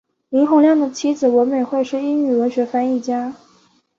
林洪亮的妻子文美惠是英语文学翻译家。